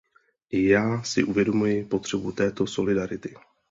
I já si uvědomuji potřebu této solidarity.